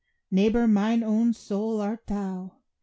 Neighbor, mine own soul art thou.